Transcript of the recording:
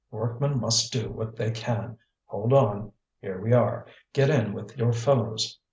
"Workmen must do what they can. Hold on! here we are; get in with your fellows."